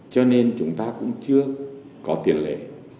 cho nên chúng ta cũng chưa có tiền lệ